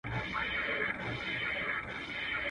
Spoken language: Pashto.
پر یوه ګور به ژوند وي د پسونو، شرمښانو.